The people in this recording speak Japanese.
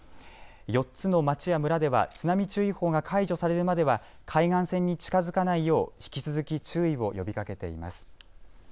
４つの町や村では津波注意報が解除されるまでは海岸線に近づかないよう引き続き注意を呼びかけています。